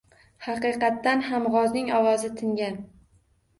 Haqiqatdan ham g‘ozning ovozi tingan.